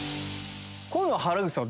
こういうの原口さん